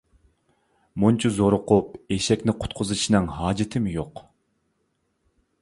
مۇنچە زورۇقۇپ ئېشەكنى قۇتقۇزۇشنىڭ ھاجىتىمۇ يوق.